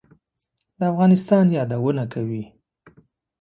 د افغانستان یادونه کوي.